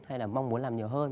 hay là mong muốn làm nhiều hơn